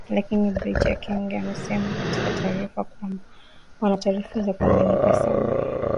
Lakini Brig Ekenge amesema katika taarifa kwamba “wana taarifa za kuaminika sana